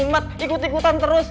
ngumet ikut ikutan terus